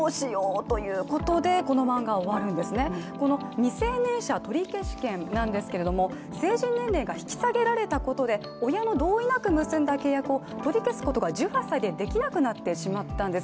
未成年者取消権なんですけど、成人年齢が引き下げられたことで、親の同意なく結んだ契約を取り消すことが１８歳でできなくなってしまったんです。